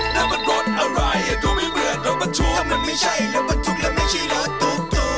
นั่นมันรถอะไรดูไม่เหมือนรถบันทุกถ้ามันไม่ใช่รถบันทุกและไม่ใช่รถตุ๊กตุ๊ก